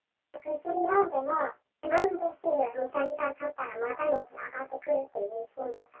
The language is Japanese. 薬を飲んでも飲んですぐ２、３時間たったらまた熱が上がってくるっていうしんどさ。